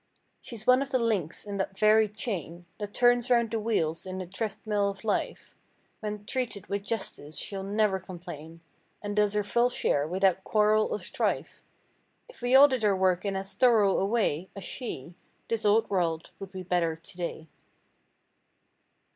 She's one of the links in that varied chain That turns round the wheels in the thrift mill of life. When treated with justice she'll never complain And does her full share without quarrel or strife. If we all did our work in as thorough a way As she—this old world would be better today.